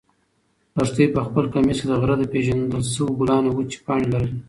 لښتې په خپل کمیس کې د غره د پېژندل شوو ګلانو وچې پاڼې لرلې.